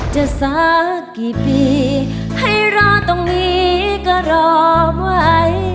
สักกี่ปีให้รอตรงนี้ก็รอไว้